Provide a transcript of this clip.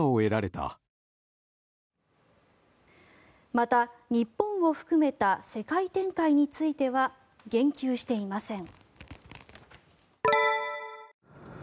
また、日本を含めた世界展開については言及していません。